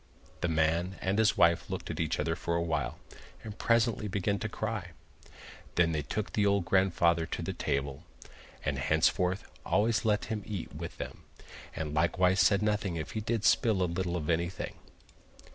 The man and his wife looked at each other for a while, and presently began to cry. Then they took the old grandfather to the table, and henceforth always let him eat with them, and likewise said nothing if he did spill a little of anything.